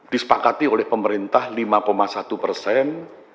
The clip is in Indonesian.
disepakati oleh pemerintah lima satu persen